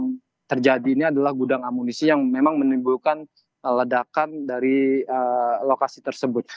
yang terjadi ini adalah gudang amunisi yang memang menimbulkan ledakan dari lokasi tersebut